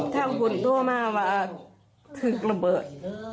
ถ้าคุณโทรมาว่าคือระเบิด